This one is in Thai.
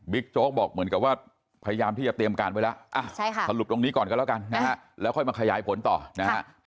โจ๊กบอกเหมือนกับว่าพยายามที่จะเตรียมการไว้แล้วสรุปตรงนี้ก่อนกันแล้วกันนะฮะแล้วค่อยมาขยายผลต่อนะฮะ